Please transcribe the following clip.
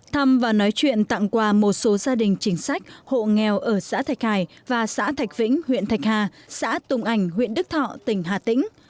thăm và nói chuyện tặng quà một số gia đình chính sách hộ nghèo ở xã thạch hải và xã thạch vĩnh huyện thạch hà xã tùng ảnh huyện đức thọ tỉnh hà tĩnh